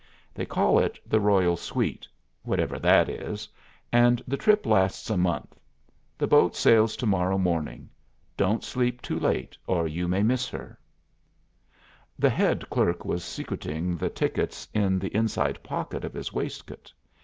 They call it the Royal Suite whatever that is and the trip lasts a month. The boat sails to morrow morning. Don't sleep too late or you may miss her." The head clerk was secreting the tickets in the inside pocket of his waistcoat.